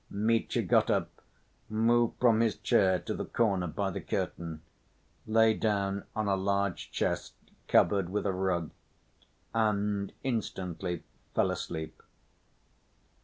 Mitya got up, moved from his chair to the corner by the curtain, lay down on a large chest covered with a rug, and instantly fell asleep.